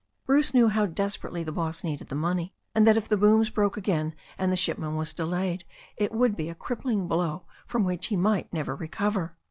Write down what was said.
Bruce knew how desperately the boss needed the money, and that if the booms broke again and the shipment was delayed it would be a crippling blow from which he might never recover.